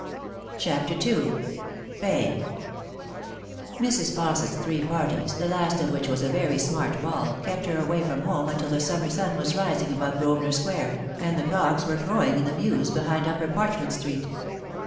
CHAPTER II. FAY. MRS. FAUSSET'S three parties, the last of which was a very smart bail, kept her away from home until the summer sun waa rising above G rosvenor Square, and the cocks were crowing in the mews behind Upper Parchment Street.